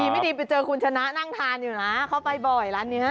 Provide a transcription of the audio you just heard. ไม่ดีไปเจอคุณชนะนั่งทานอยู่นะเขาไปบ่อยร้านนี้